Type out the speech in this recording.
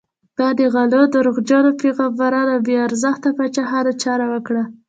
ما د غلو، دروغجنو پیغمبرانو او بې ارزښته پاچاهانو چاره وکړه.